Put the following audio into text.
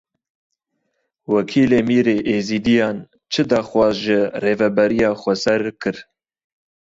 Wekîlê Mîrê Êzidiyan çi daxwaz ji Rêveberiya Xweser kir?